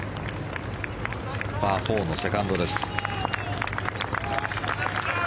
パー４のセカンドです。